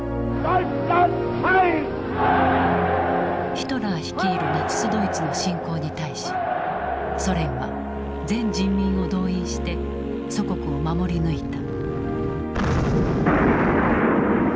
ヒトラー率いるナチス・ドイツの侵攻に対しソ連は全人民を動員して祖国を守り抜いた。